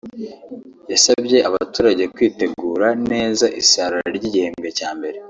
yasabye abaturage kwitegura neza isarura ry’igihembwe cya mbere